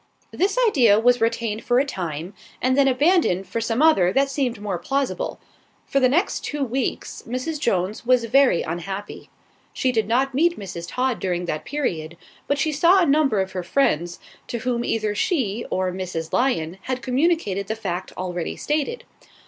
This idea was retained for a time, and then abandoned for some other that seemed more plausible. For the next two weeks, Mrs. Jones was very unhappy. She did not meet Mrs. Todd during that period, but she saw a number of her friends, to whom either she or Mrs. Lyon had communicated the fact already stated.